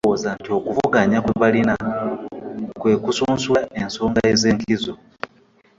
Balowooza nti okuvuganya kwe balina kwe kusunsula ensonga ez'enkizo